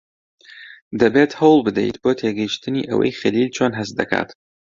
دەبێت هەوڵ بدەیت بۆ تێگەیشتنی ئەوەی خەلیل چۆن هەست دەکات.